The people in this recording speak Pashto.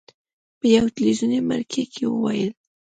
په یوې تلویزوني مرکې کې وویل: